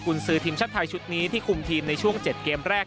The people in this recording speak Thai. คุณซื้อทีมชาติไทยชุดนี้ที่คุมทีมในช่วง๗เกมแรก